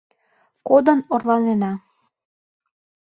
Кодын орланена